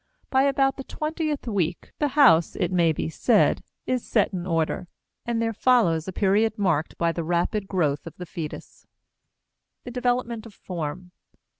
By about the twentieth week, the house, it may be said, is set in order; and there follows a period marked by the rapid growth of the fetus. THE DEVELOPMENT OF FORM.